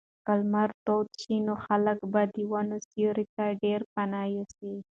که لمر تود شي نو خلک به د ونو سیوري ته ډېر پناه یوسي.